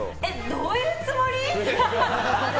どういうつもり？